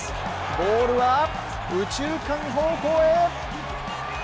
ボールは右中間方向へ。